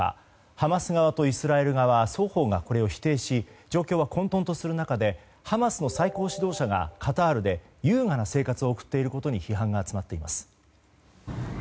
ハマス側とイスラエル側双方がこれを否定し状況は混とんとする中でハマスの最高指導者がカタールで夕方生活を送っていることに批判が集まっています。